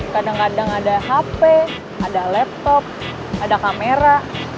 kadang kadang ada hp ada laptop ada kamera